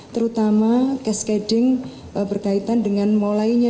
terutama cascading berkaitan dengan mulainya